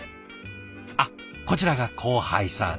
あっこちらが後輩さん。